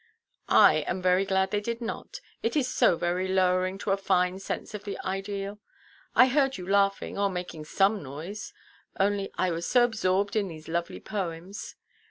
"I am very glad they did not. It is so very lowering to a fine sense of the ideal. I heard you laughing, or making some noise; only I was so absorbed in these lovely poems.